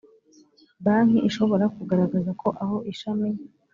banki ishobora kugaragaza ko aho ishami